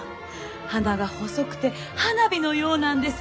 花が細くて花火のようなんです。